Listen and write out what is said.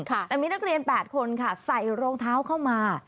แต่มีนักเรียน๘คนค่ะใส่รองเท้าเข้ามา